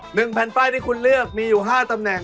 หนึ่งแผนที่คุณเลือกมีอยู่๕ตำเน่ง